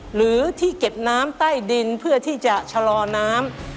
หรือที่เก็บน้ำใต้ดินเพื่อที่จะชะลอน้ำ